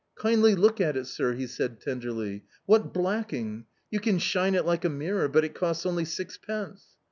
" Kindly look at it, sir," he said tenderly, " what blacking ! you can shine it like a mirror, but it costs only six pence